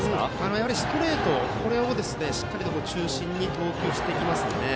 やはり、ストレートをしっかりと中心に投球していますね。